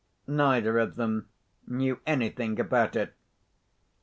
Neither of them knew anything about it.